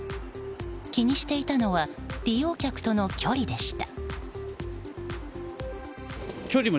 気にしていたのは利用客との距離でした。